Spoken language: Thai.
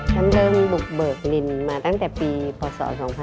ฉันเริ่มบุกเบิกลินมาตั้งแต่ปีพศ๒๕๕๘